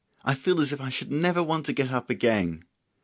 I feel as if I should never want to get up again!"